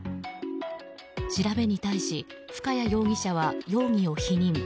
調べに対し、深谷容疑者は容疑を否認。